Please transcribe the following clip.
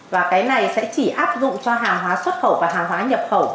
và cái này sẽ chỉ áp dụng cho hàng hóa xuất khẩu và hàng hóa nhập khẩu